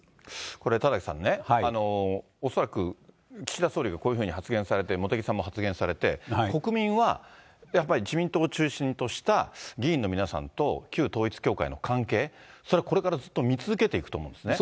これ、田崎さんね、恐らく、岸田総理がこういうふうに発言されて、茂木さんも発言されて、国民はやっぱり自民党を中心とした議員の皆さんと旧統一教会の関係、それ、これからずっと見続けていくと思うんですね。